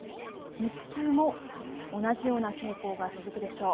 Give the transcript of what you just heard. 日中も同じような傾向が続くでしょう。